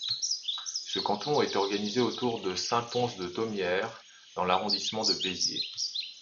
Ce canton est organisé autour de Saint-Pons-de-Thomières dans l'arrondissement de Béziers.